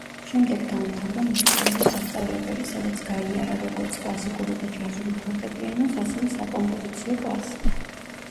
შემდეგ დაამთავრა მუსიკალური სასწავლებელი, სადაც გაიარა როგორც კლასიკური და ჯაზური ფორტეპიანოს, ასევე საკომპოზიციო კლასი.